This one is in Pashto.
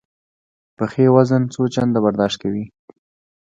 پښې وزن څو چنده برداشت کوي.